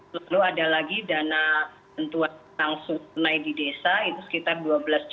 lalu ada lagi dana bentuan langsung menaiki desa itu sekitar dua belas juta keluarga ya